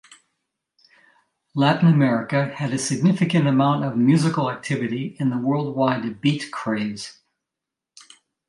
Latin America had a significant amount of musical activity in the worldwide beat craze.